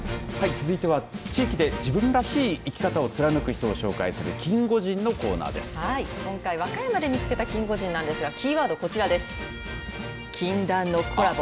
続いては地域で自分らしい生き方を貫く人を紹介する今回、和歌山で見つけたキンゴジンなんですがキーワードこちらです。